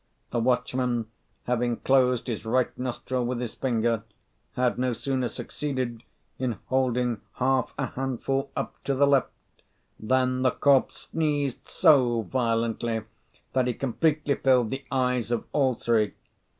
The watchman having closed his right nostril with his finger, had no sooner succeeded in holding half a handful up to the left than the corpse sneezed so violently that he completely filled the eyes of all three.